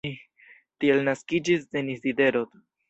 Tie naskiĝis Denis Diderot.